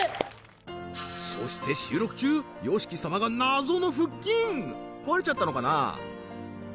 そして収録中ＹＯＳＨＩＫＩ様が謎の腹筋壊れちゃったのかな？